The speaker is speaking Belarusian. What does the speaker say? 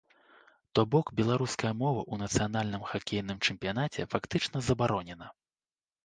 То бок беларуская мова ў нацыянальным хакейным чэмпіянаце фактычна забаронена.